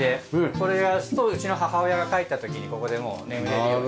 これ出すとうちの母親が帰った時にここでもう眠れるように。